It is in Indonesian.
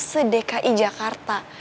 se dki jakarta